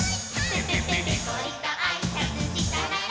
「ぺぺぺぺこりとあいさつしたなら」